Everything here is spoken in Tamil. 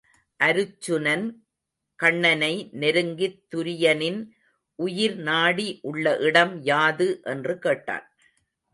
அருச்சுனன் கண்ணனை நெருங்கித் துரியனின் உயிர் நாடி உள்ள இடம் யாது? என்று கேட்டான்.